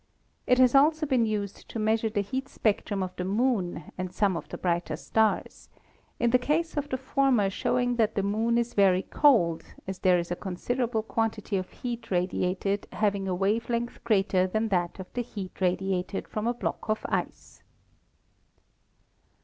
It has also been used to measure the heat spectrum of the Moon and some of the brighter stars; in the case of the former showing that the Moon is very cold, as there is a considerable quan tity of heat radiated having a wave length greater than that of the heat radiated from a block of ice.